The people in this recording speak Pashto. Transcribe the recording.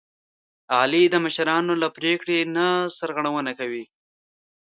علي د مشرانو له پرېکړې نه سرغړونه کوي.